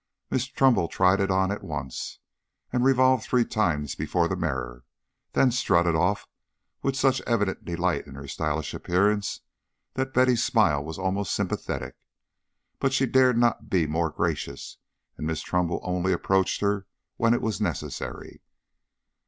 Miss Trumbull tried it on at once, and revolved three times before the mirror, then strutted off with such evident delight in her stylish appearance that Betty's smile was almost sympathetic. But she dared not be more gracious, and Miss Trumbull only approached her when it was necessary.